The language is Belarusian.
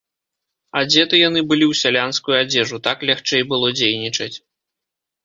Адзеты яны былі ў сялянскую адзежу, так лягчэй было дзейнічаць.